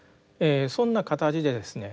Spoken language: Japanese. そんな形でですね